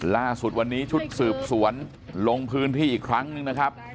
ล่าสุดวันนี้ชุดสืบสวนลงพื้นที่อีกครั้งหนึ่งนะครับ